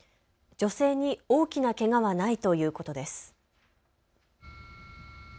女性に大きなけがはないということです。